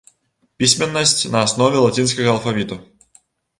Пісьменнасць на аснове лацінскага алфавіту.